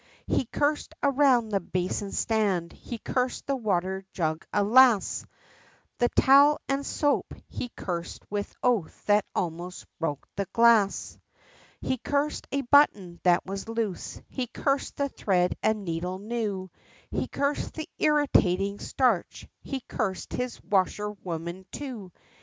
He cursed around the basin stand, he cursed the water jug, alas! The towel and the soap he cursed, with oath that almost broke the glass. He cursed a button that was loose, he cursed the thread and needle, new, He cursed the irritating starch, he cursed his washerwoman, too.